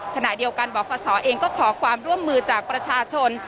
ขณะเดียวกันบอกขอสอเองก็ขอความร่วมมือจากประชาชน